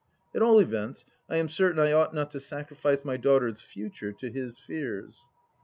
At all events I am certain I ought not to sacrifice my daughter's future to his fears.